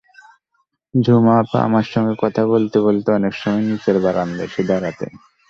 ঝুমা আপা আমার সঙ্গে কথা বলতে বলতে অনেক সময় নিচের বারান্দায় এসে দাঁড়াতেন।